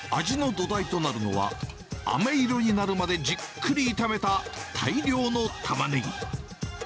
味の土台となるのは、あめ色になるまでじっくり炒めた大量のたまねぎ。